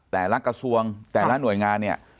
แต่ละกระทรวงแต่ละหน่วยงานเนี่ย